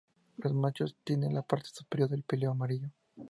Los machos tienen la parte superior del píleo amarillo.